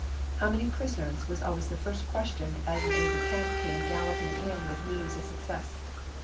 " How many prisoners?" was always the first question as an aide de camp came galloping in with news of suc cess.